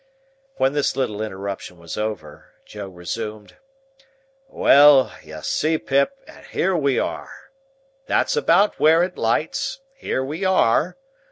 When this little interruption was over, Joe resumed:— "Well, you see, Pip, and here we are! That's about where it lights; here we are!